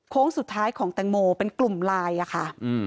สุดท้ายของแตงโมเป็นกลุ่มไลน์อะค่ะ